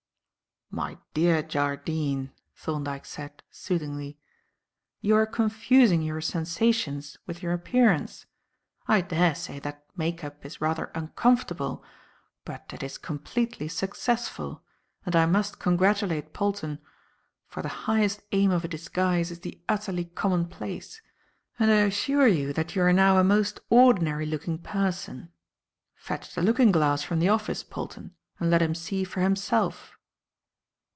"My dear Jardine," Thorndyke said, soothingly, "you are confusing your sensations with your appearance. I daresay that make up is rather uncomfortable, but it is completely successful, and I must congratulate Polton; for the highest aim of a disguise is the utterly common place, and I assure you that you are now a most ordinary looking person. Fetch the looking glass from the office, Polton, and let him see for himself."